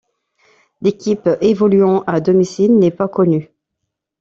L'équipe évoluant à domicile n'est pas connue.